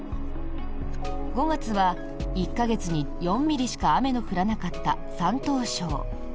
５月は１か月に４ミリしか雨の降らなかった山東省。